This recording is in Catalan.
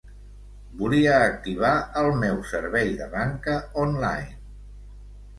Volia activar el meu servei de banca online.